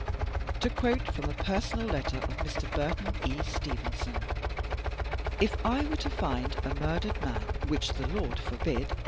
To quote from a personal letter of Mr. Burton E. Steven son: "If I were to find a murdered man, — which the Lord forbid!